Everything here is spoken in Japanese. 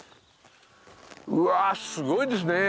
うわすごいですね！